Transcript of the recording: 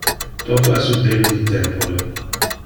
Toto a su debite tempore.